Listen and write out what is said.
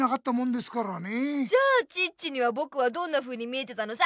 じゃあチッチにはぼくはどんなふうに見えてたのさ！